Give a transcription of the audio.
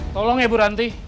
tolong ya bu ranti